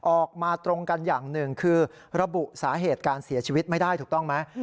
ออกมาตรงกันอย่างหนึ่งคือระบุสาเหตุการเสียชีวิตไม่ได้ถูกต้องไหม